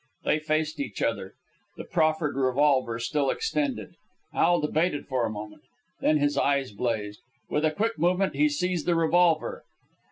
They faced each other, the proffered revolver still extended. Al debated for a moment, then his eyes blazed. With a quick movement he seized the revolver.